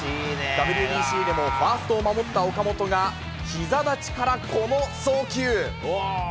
ＷＢＣでもファーストを守った岡本が、ひざ立ちからこの送球。